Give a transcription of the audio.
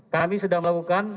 kami sedang melakukan